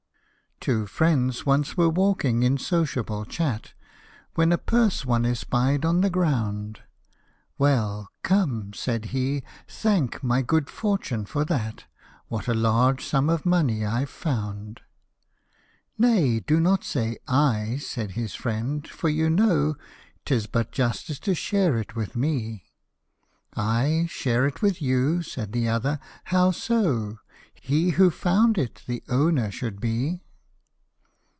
Two friends once were walking in sociable chat, When a purse one espied on the ground ;" O see! " said he (" thank my good fortune for that), What a large sum of money I've found !"/" Nay, do not say /," said his friend, " for you know 'Tis but friendship to share it with me ;"" I share it with you/' cried the other, " How so ? He who found it the owner should be."